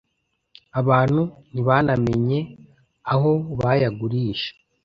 abantu ntibanamenye aho bayagurisha